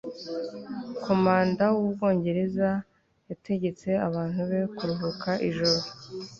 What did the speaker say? komanda w'ubwongereza yategetse abantu be kuruhuka ijoro